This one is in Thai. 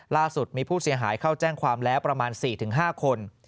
ล่าสุดมีผู้เสียหายเข้าแจ้งความแล้วประมาณ๔๕คน